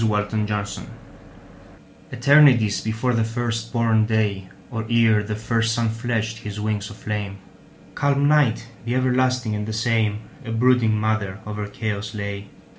Mother Night ETERNITIES before the first born day, Or ere the first sun fledged his wings of flame, Calm Night, the everlasting and the same,A brooding mother over chaos lay.